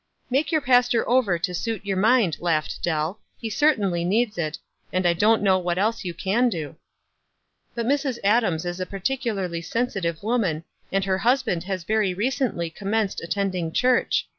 "Make your pastor over to suit your mind," laughed Dell. "He certainly needs it, and I don't know what else you can do." "But Mrs. Adams is a particularly sensitive woman, and her husband has very recently com menced attending church.